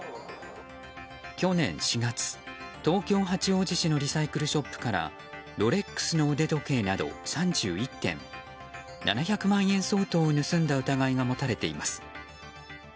去年４月、東京・八王子市のリサイクルショップからロレックスの腕時計など３１点７００万円相当を盗んだ疑いが持たれています。